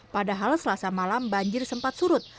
padahal selasa malam banjir sempat surut